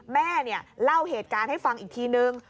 แม่เล่าเหตุการณ์ให้ฟังอีกทีนึง